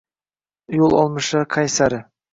Yo’l olmishlar qay sari?